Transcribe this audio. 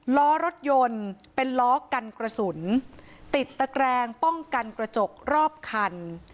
ล้อรถยนต์เป็นล้อกันกระสุนติดตะแกรงป้องกันกระจกรอบคัน